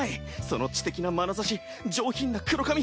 その知的なまなざし上品な黒髪